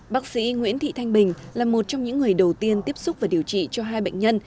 bác sĩ nguyễn thị thanh bình là một trong những người đầu tiên tiếp xúc và điều trị cho hai bệnh nhân